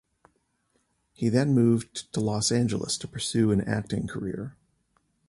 He then moved to Los Angeles to pursue an acting career.